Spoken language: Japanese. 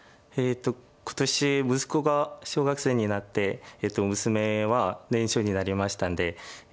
今年息子が小学生になって娘は年少になりましたんで。